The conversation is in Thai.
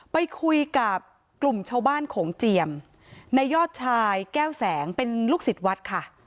ไปคุยกับกลุ่มชาวบ้านโขงเจียมในยอดชายแก้วแสงเป็นลูกศิษย์วัดค่ะ